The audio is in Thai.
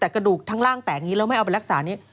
แต่กระดูกทั้งล่างแตกอย่างนี้แล้วไม่เอาไปรักษานี้